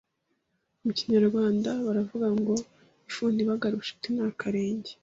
Mu Kinyarwanda baravuga ngo Ifuni ibagara ubucuti ni akarenge